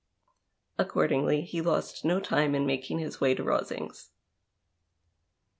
Accordingly, he lost no time in making his way to Rosings.